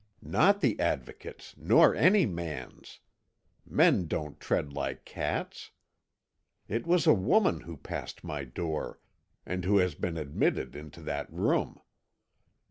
Not the Advocate's, nor any man's. Men don't tread like cats. It was a woman who passed my door, and who has been admitted into that room.